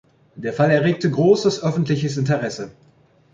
Der Fall erregte großes öffentliches Interesse.